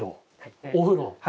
お風呂。